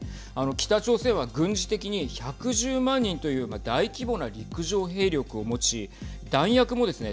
北朝鮮は軍事的に１１０万人という大規模な陸上兵力を持ち弾薬もですね